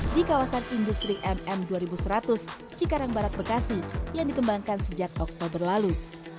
di kawasan industri mm dua ribu seratus cikarang barat bekasi yang dikembangkan sejak oktober lalu